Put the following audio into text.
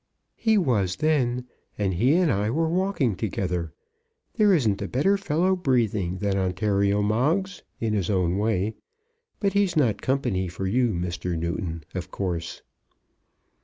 "He was then, and he and I were walking together. There isn't a better fellow breathing than Ontario Moggs, in his own way. But he's not company for you, Mr. Newton, of course."